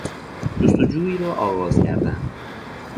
جستجویی را آغاز کردن